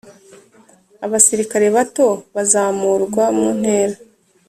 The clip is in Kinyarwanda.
Abasirikare Bato bazamurwa mu ntera .